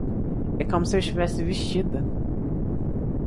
É como se eu estivesse vestida!